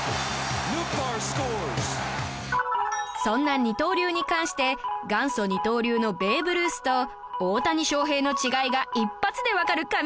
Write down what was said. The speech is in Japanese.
そんな二刀流に関して元祖二刀流のベーブ・ルースと大谷翔平の違いが一発でわかる神図解がこちら！